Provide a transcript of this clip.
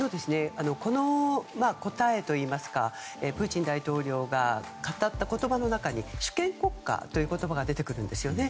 この答えといいますかプーチン大統領が語った言葉の中に主権国家という言葉が出てくるんですね。